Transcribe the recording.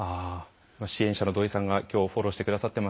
支援者のどいさんが今日フォローしてくださってますけれども。